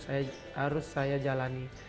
jadi inilah sanksi yang harus saya jalani